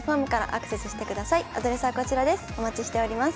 アドレスはこちらです。